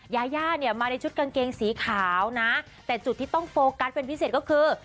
ยาย่าเนี่ยมาในชุดกางเกงสีขาวนะแต่จุดที่ต้องโฟกัสเป็นพิเศษก็คือ